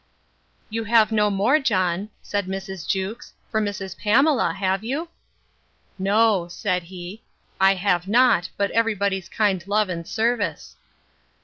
You have no more, John, said Mrs. Jewkes, for Mrs. Pamela, have you? No, said he, I have not, but every body's kind love and service.